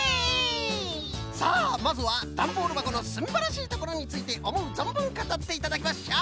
さあまずはダンボールばこのすんばらしいところについておもうぞんぶんかたっていただきましょう！